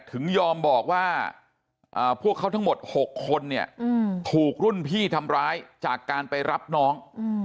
ถึงยอมบอกว่าพวกเขาทั้งหมด๖คนเนี่ยถูกรุ่นพี่ทำร้ายจากการไปรับน้อง